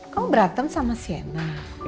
kamu berantem sama sienna